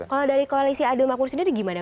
kalau dari koalisi adil makmur sendiri gimana